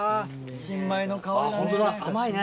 新米の香りだね。